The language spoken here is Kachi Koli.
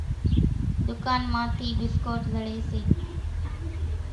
ۮُڪانَ مان ٿِي ڀِسڪوٽ زڙيَ سي۔